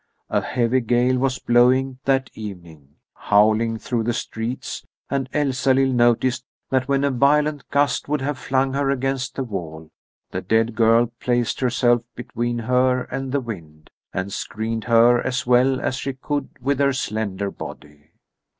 A heavy gale was blowing that evening, howling through the streets, and Elsalill noticed that when a violent gust would have flung her against the wall, the dead girl placed herself between her and the wind and screened her as well as she could with her slender body.